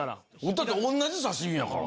だって同じ刺し身やから。